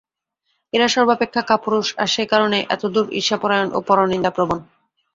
এরা সর্বপেক্ষা কাপুরুষ আর সেই কারণেই এতদূর ঈর্ষাপরায়ণ ও পরনিন্দাপ্রবণ।